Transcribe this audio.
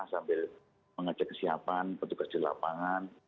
sambil mengecek kesiapan petugas di lapangan